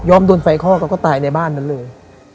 ยอมโดนไฟคอกแล้วก็ตายในบ้านนั้นเลย